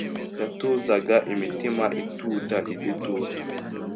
yatuzaga imitima ituuta igitutu,